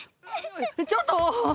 ちょっと！